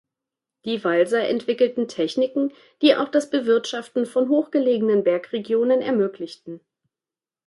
Die Walser entwickelten Techniken, die auch das Bewirtschaften von hoch gelegenen Bergregionen ermöglichten.